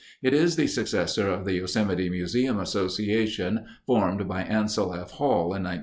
It is the successor of the Yosemite Museum Association formed by Ansel F. Hall in 1920.